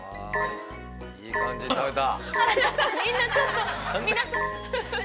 ◆いい感じで食べた。